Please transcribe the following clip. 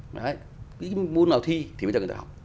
đấy cái môn nào thi thì bây giờ người ta học